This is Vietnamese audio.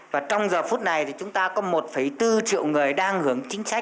và trong giờ phút này thì chúng ta có một bốn triệu người đang hưởng chính sách